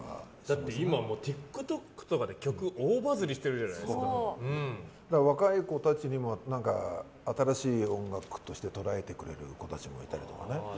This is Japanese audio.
だって今、ＴｉｋＴｏｋとかで曲が若い子たちにも新しい音楽として捉えてくれる子たちもいたりとか。